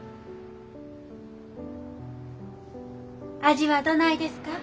味はどないですか？